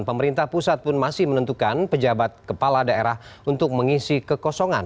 pemerintah pusat pun masih menentukan pejabat kepala daerah untuk mengisi kekosongan